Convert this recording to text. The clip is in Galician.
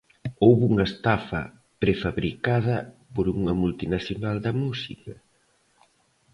Houbo unha estafa prefabricada por unha multinacional da música?